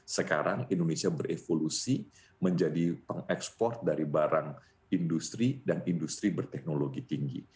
sekarang indonesia berevolusi menjadi pengekspor dari barang industri dan industri berteknologi tinggi